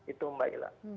itu mbak ila